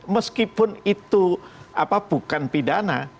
meskipun itu bukan pidana